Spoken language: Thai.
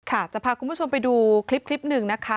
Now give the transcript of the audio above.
ค่ะจะพาคุณผู้ชมไปดูคลิปหนึ่งนะคะ